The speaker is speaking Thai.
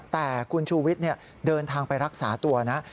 แต่คุณชูวิทย์เดินทางไปรักษาตัวนะ